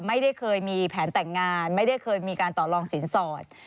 ไม่ได้เคยมีแผนแต่งงานไม่ได้เคยมีการต่อลองสินสอด